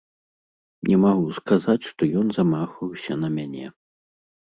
Не магу сказаць, што ён замахваўся на мяне.